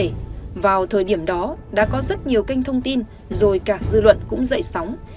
vì vậy vào thời điểm đó đã có rất nhiều kênh thông tin rồi cả dư luận cũng dậy sóng